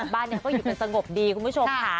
บ้านนี้ก็อยู่กันสงบดีคุณผู้ชมค่ะ